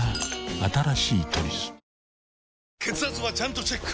新しい「トリス」血圧はちゃんとチェック！